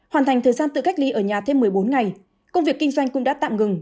hoàn thành thời gian tự cách ly ở nhà thêm một mươi bốn ngày công việc kinh doanh cũng đã tạm ngừng